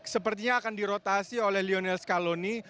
sepertinya akan dirotasi oleh lionel scaloni